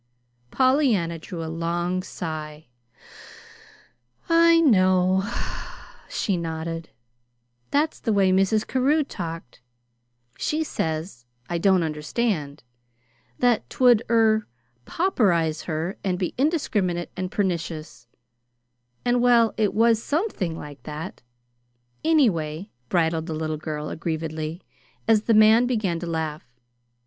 Pollyanna drew a long sigh. "I know," she nodded. "That's the way Mrs. Carew talked. She says I don't understand; that 'twould er pauperize her and be indiscriminate and pernicious, and Well, it was SOMETHING like that, anyway," bridled the little girl, aggrievedly, as the man began to laugh.